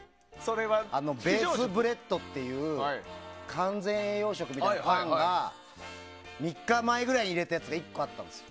ベースブレッドっていう完全栄養食みたいなパンが３日前くらいに入れたやつが１個あったんです。